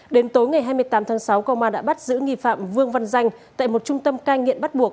đến tối ngày hai mươi tám tháng sáu công an đã bắt giữ nghi phạm vương văn danh tại một trung tâm cai nghiện bắt buộc